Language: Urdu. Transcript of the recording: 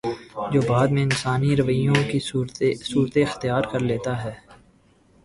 جو بعد میں انسانی رویوں کی صورت اختیار کر لیتا ہے